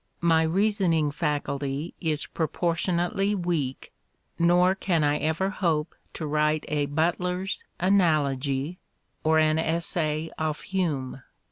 My reasoning faculty is proportionately weak, nor can I ever hope to write a Butler's " Analogy " or an essay of Hume.